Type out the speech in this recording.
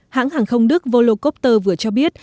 hãng hàng không đức volocopter vừa cho biết